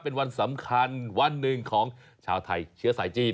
เป็นวันสำคัญวันหนึ่งของชาวไทยเชื้อสายจีน